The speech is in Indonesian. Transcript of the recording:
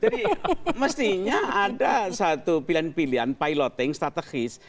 jadi mestinya ada satu pilihan pilihan piloting strategis